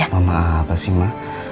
mama apa sih ma